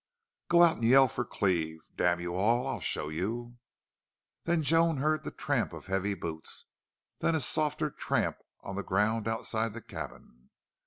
"Go out and yell for Cleve!... Damn you all! I'll show you!" Then Joan heard the tramp of heavy boots, then a softer tramp on the ground outside the cabin.